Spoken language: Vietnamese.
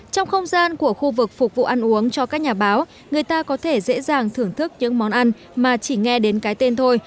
trong không gian của khu vực phục vụ ăn uống cho các nhà báo người ta có thể dễ dàng thưởng thức những món ăn mà chỉ nghe đến cái tên thôi